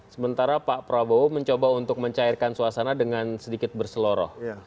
sementara pak prabowo mencoba untuk mencairkan suasana dengan sedikit berseloroh